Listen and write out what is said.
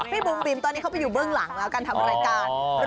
พี่บุ๋มบิมตอนนี้เขาไปอยู่เบื้องหลังแล้วการทำรายการ